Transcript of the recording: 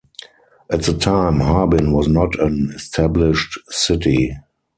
At the time Harbin was not an established city.